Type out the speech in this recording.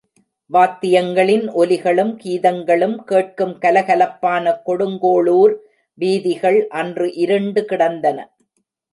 வாத்தியங்களின் ஒலிகளும், கீதங்களும் கேட்கும் கலகலப்பான கொடுங்கோளூர் வீதிகள் அன்று இருண்டு கிடந்தன.